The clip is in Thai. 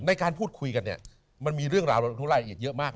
ในการพูดคุยกันเนี่ยมันมีเรื่องราวทุกรายละเอียดเยอะมาก